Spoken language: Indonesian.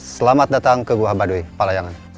selamat datang ke goa baduy